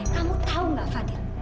kamu tau gak fadil